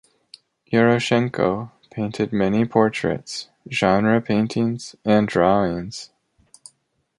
Yaroshenko painted many portraits, genre paintings, and drawings.